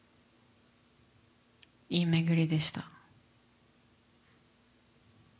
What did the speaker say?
いい巡りでした。